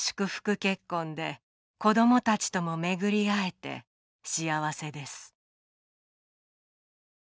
結婚で子どもたちともめぐりあえて幸せです」